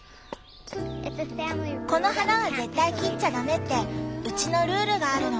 この花は絶対切っちゃダメってうちのルールがあるの。